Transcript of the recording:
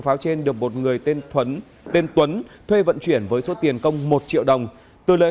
pháo trên được một người tên thuấn tên tuấn thuê vận chuyển với số tiền công một triệu đồng từ lời